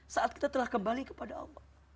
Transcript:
saat kita telah kembali ke padang